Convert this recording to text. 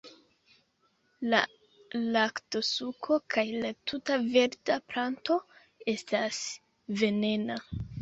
La laktosuko kaj la tuta verda planto estas venena.